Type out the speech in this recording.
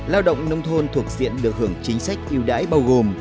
lao động nông thôn thuộc diện được hưởng chính sách yêu đãi bao gồm